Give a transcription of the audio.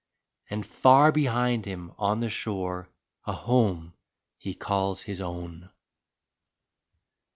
And far behind him on the shore a home he calls his own.